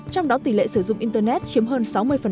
trong đó tỷ lệ sử dụng internet chiếm hơn sáu mươi